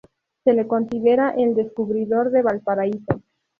Se le considera el descubridor de Valparaíso.